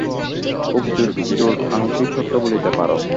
খুব জোর আংশিক সত্য বলিতে পার।